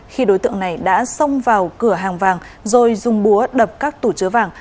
khi đối tượng này đã xông vào cửa hàng vàng rồi dùng búa đập các tủ chứa vàng